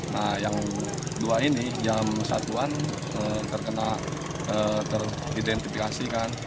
nah yang dua ini jam satuan teridentifikasi kan